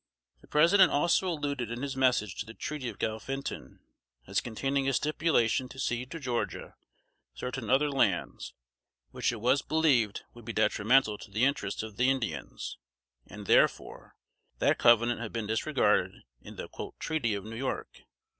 The President also alluded in his message to the treaty of Galphinton, as containing a stipulation to cede to Georgia certain other lands, which it was believed would be detrimental to the interests of the Indians, and, therefore, that covenant had been disregarded in the "treaty of New York."